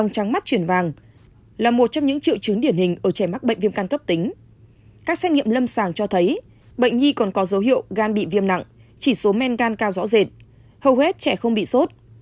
các xét nghiệm lâm sàng cho thấy bệnh nhi còn có dấu hiệu gan bị viêm nặng chỉ số men gan cao rõ rệt hầu hết trẻ không bị sốt